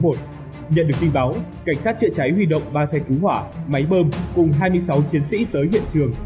nhận được tin báo cảnh sát chữa cháy huy động ba xe cứu hỏa máy bơm cùng hai mươi sáu chiến sĩ tới hiện trường